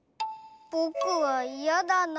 ぼくはいやだな。